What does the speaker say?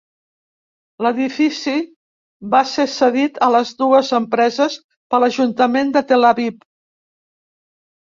L'edifici va ser cedit a les dues empreses per l'Ajuntament de Tel Aviv.